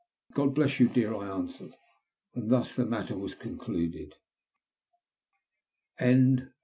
*' God bless you, dear," I answered. And thus the matter was concluded.